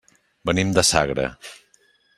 Venim de Sagra.